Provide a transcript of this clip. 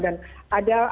dan ada satu poin